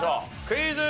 クイズ。